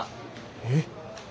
えっ？